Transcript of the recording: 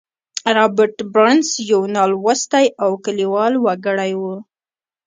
رابرټ برنس یو نالوستی او کلیوال وګړی و